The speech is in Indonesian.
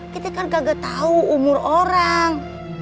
kita kan kagak tahu umur orang